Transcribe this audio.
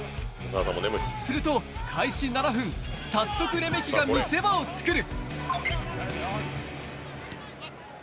すると開始７分、早速、レメキが見せ場を作る。